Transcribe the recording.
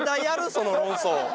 その論争。